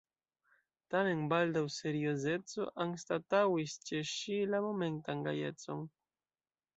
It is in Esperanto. Tamen baldaŭ seriozeco anstataŭis ĉe ŝi la momentan gajecon.